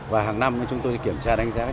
và hàng năm chúng tôi sẽ có thể giám sát